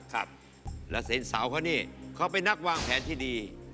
และเศรษฐ์สาวเขานี่เขาเป็นนักวางแผนที่ดี